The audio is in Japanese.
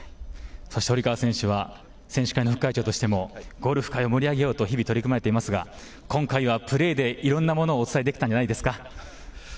そして、堀川選手は選手会の副会長としてもゴルフ界を盛り上げようと日々取り組まれていますが、今回はプレーでいろんなものをお伝えできたんじゃないですか。